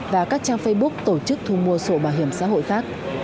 và các trang facebook tổ chức thu mua sổ bảo hiểm xã hội khác